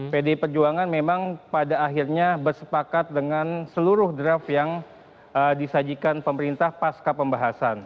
pdi perjuangan memang pada akhirnya bersepakat dengan seluruh draft yang disajikan pemerintah pasca pembahasan